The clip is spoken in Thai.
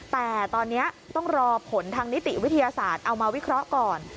แต่ตอนนี้ต้องรอผลทางนิติวิทยาศาสตร์เอามาวิเคราะห์ก่อน